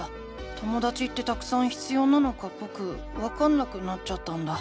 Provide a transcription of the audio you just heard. ともだちってたくさん必要なのかぼくわかんなくなっちゃったんだ。